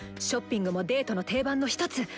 「ショッピング」もデートの定番の一つ！